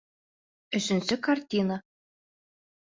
Өсөнсө картина